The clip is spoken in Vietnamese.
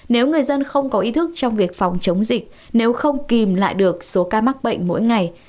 nếu người dân không có ý thức trong việc phòng chống dịch nếu không kìm lại được số ca mắc bệnh mỗi ngày